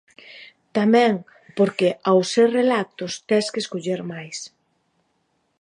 Tamén porque ao ser relatos tes que escoller máis.